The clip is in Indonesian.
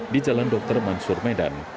di jalan dr mansur medan